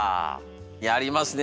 やりますね